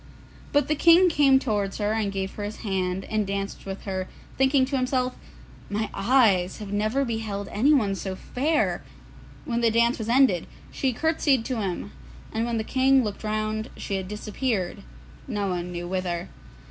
But the King came towards her and gave her his hand, and danced with her, thinking to himself, 'My eyes have never beheld anyone so fair!' When the dance was ended, she curtseyed to him, and when the King looked round she had disappeared, no one knew whither.